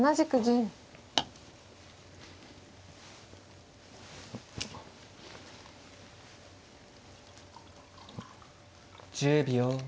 １０秒。